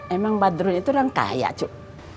emang badrun itu orang kaya cuk